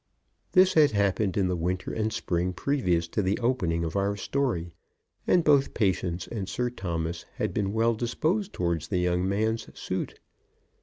This had happened in the winter and spring previous to the opening of our story, and both Patience and Sir Thomas had been well disposed towards the young man's suit.